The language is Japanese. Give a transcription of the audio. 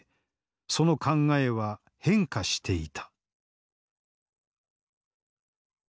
その考えは変化していた。